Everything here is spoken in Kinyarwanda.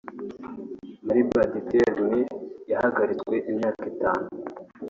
Moriba Diakite (Mali) yahagaritswe imyaka itanu